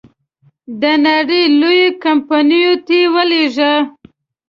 د نړی لویو کمپنیو ته یې ولېږه.